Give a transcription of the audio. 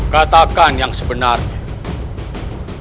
katakan yang sebenarnya